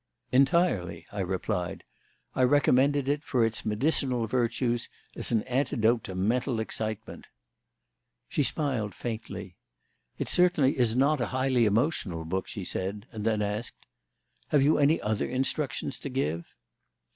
"Entirely," I replied. "I recommended it for its medicinal virtues, as an antidote to mental excitement." She smiled faintly. "It certainly is not a highly emotional book," she said, and then asked: "Have you any other instructions to give?"